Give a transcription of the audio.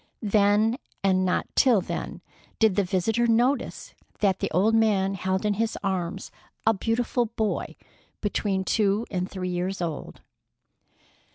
Then and not till then did the visitor notice that the old man held in his arms a beautiful boy between two and three years old.